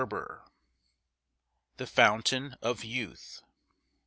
XVI. THE FOUNTAIN OF YOUTH.